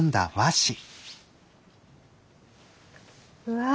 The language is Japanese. うわ！